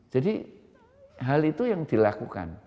jadi hal itu yang dilakukan